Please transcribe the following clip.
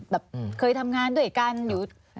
แบบเคยทำงานด้วยกันอยู่